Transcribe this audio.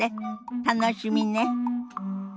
楽しみね。